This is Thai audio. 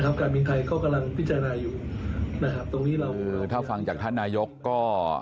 การบินไทยก็กำลังพิจารณาอยู่นะครับตรงนี้เราเออถ้าฟังจากท่านนายกก็